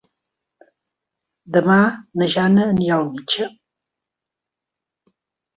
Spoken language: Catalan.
Demà na Jana anirà al metge.